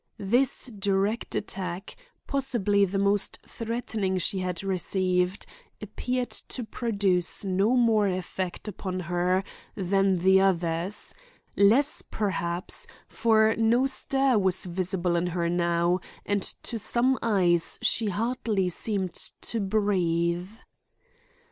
This direct attack, possibly the most threatening she had received, appeared to produce no more effect upon her than the others; less, perhaps, for no stir was visible in her now, and to some eyes she hardly seemed to breathe.